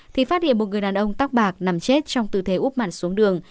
thì phát hiện một người đàn ông tóc bạc nằm chết trong tư thế úp mặt xuống đường